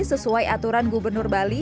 sesuai aturan gubernur bali